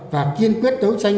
và kiên quyết đấu tranh